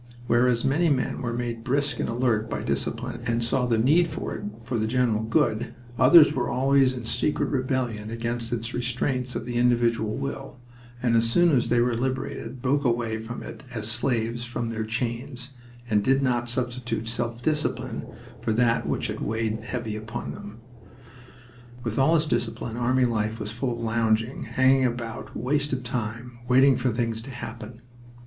Whereas many men were made brisk and alert by discipline and saw the need of it for the general good, others were always in secret rebellion against its restraints of the individual will, and as soon as they were liberated broke away from it as slaves from their chains, and did not substitute self discipline for that which had weighed heavy on them. With all its discipline, army life was full of lounging, hanging about, waste of time, waiting for things to happen.